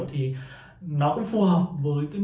thì nó cũng phù hợp với mục tiêu xét